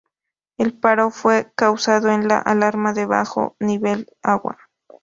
El paro fue causado por la alarma de bajo nivel de agua.